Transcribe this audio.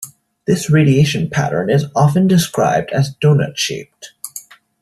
This radiation pattern is often described as "doughnut shaped".